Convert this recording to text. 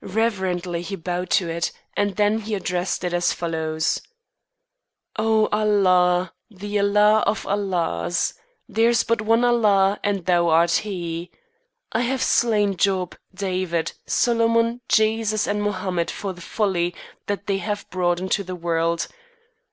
Reverently he bowed to it, and then he addressed it as follows: "Oh, Allah! The Allah of Allahs. There is but one Allah, and thou art He. I have slain Job, David, Solomon, Jesus, and Mohammed for the folly that they have brought into the world.